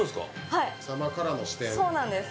はい狭間からの視点そうなんです